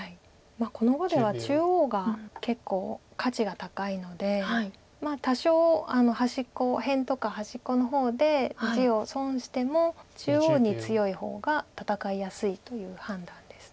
この碁では中央が結構価値が高いので多少端っこを辺とか端っこの方で地を損しても中央に強い方が戦いやすいという判断です。